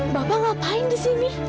bapak ngapain disini